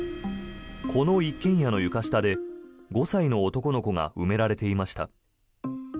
この一軒家の床下で５歳の男の子が埋められていました。